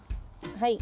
はい。